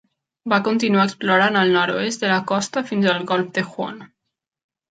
Va continuar explorant el nord-oest de la costa fins al golf de Huon.